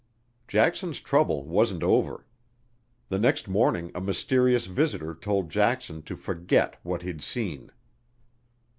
Jackson's trouble wasn't over. The next morning a mysterious visitor told Jackson to forget what he'd seen.